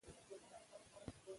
دښمن ته ډېره مرګ او ژوبله اوښتې وه.